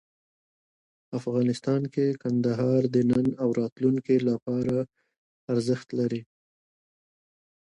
افغانستان کې کندهار د نن او راتلونکي لپاره ارزښت لري.